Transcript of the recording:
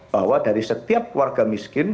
bahwa dari setiap warga miskin